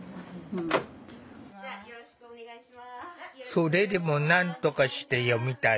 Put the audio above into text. それでもなんとかして読みたい。